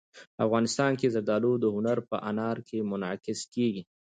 افغانستان کې زردالو د هنر په اثار کې منعکس کېږي.